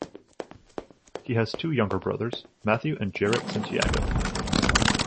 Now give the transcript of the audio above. He has two younger brothers, Matthew and Jarrett Santiago.